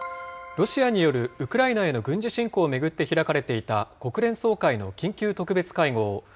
ロシアによるウクライナへの軍事侵攻を巡って開かれていた国連総会の緊急特別会合。